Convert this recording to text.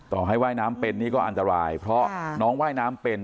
ต่อให้ว่ายน้ำเป็นนี่ก็อันตรายเพราะน้องว่ายน้ำเป็น